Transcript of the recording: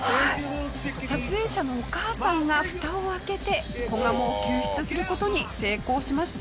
撮影者のお母さんが蓋を開けて子ガモを救出する事に成功しました。